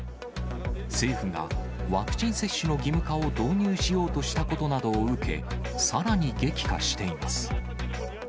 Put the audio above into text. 政府がワクチン接種の義務化を導入しようとしたことなどを受け、さらに激化しています。